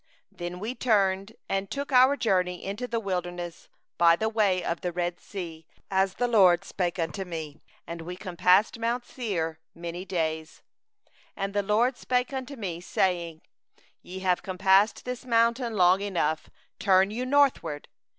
Then we turned, and took our journey into the wilderness by the way to the Red Sea, as the LORD spoke unto me; and we compassed mount Seir many days. 2And the LORD spoke unto me, saying: 3'Ye have compassed this mountain long enough; turn you northward.